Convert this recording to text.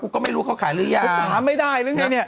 ก็ไม่รู้เค้าขายหรือยัง